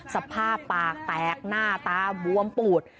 สภาพปากแตกหน้าตาบวมปูด